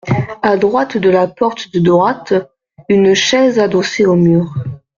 À droite de la porte de droite, une chaise adossée au mur.